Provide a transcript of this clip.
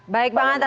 baik bang hanta